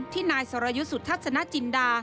ที่นายสรยุสุทธาตุสนาจินดา